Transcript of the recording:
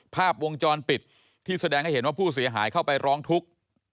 ภาพวงจรปิดที่แสดงให้เห็นว่าผู้เสียหายเข้าไปร้องทุกข์